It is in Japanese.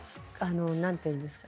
何ていうんですか。